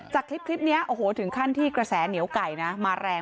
จากคลิปนี้โอ้โหถึงขั้นที่กระแสเหนียวไก่นะมาแรง